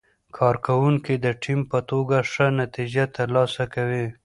کارکوونکي د ټیم په توګه ښه نتیجه ترلاسه کوي